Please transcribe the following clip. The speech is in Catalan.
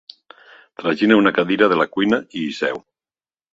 Tragina una cadira de la cuina i hi seu.